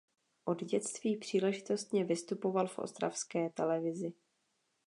Od dětství příležitostně vystupoval v ostravské televizi.